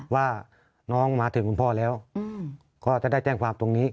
ว่าน้องมาถึงคุณพ่อแล้วก็จะได้แจ้งความตรงนี้